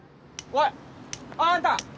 おいあんた！